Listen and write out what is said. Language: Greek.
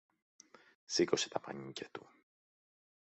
σήκωσε τα μανίκια του